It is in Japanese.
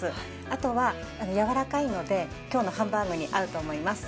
あとは軟らかいので今日のハンバーグに合うと思います。